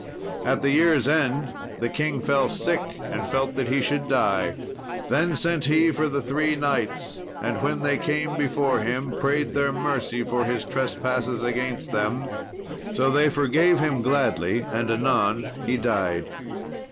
At the year's end the king fell sick and felt that he should die. Then sent he for the three knights, and when they came before him prayed their mercy for his trespasses against them. So they forgave him gladly, and anon he died.